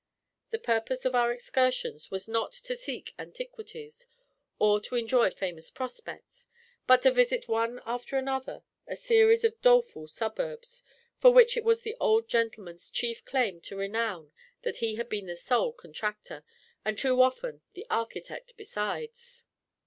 The purpose of our excursions was not to seek antiquities or to enjoy famous prospects, but to visit one after another a series of doleful suburbs, for which it was the old gentleman's chief claim to renown that he had been the sole contractor, and too often the architect besides.